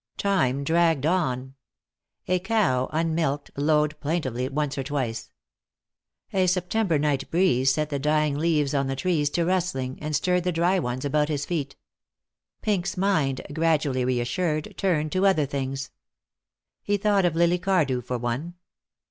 Time dragged on. A cow, unmilked, lowed plaintively once or twice. A September night breeze set the dying leaves on the trees to rustling, and stirred the dried ones about his feet. Pink's mind, gradually reassured, turned to other things. He thought of Lily Cardew, for one.